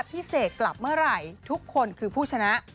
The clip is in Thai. เสกกลับเมื่อไหร่ทุกคนคือผู้ชนะ